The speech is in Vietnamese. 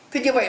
thế như vậy